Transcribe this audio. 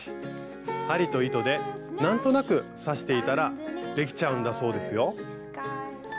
針と糸で何となく刺していたらできちゃうんだそうですよ。